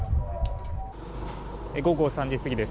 午後３時過ぎです。